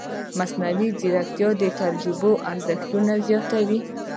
مصنوعي ځیرکتیا د تجربې ارزښت زیاتوي.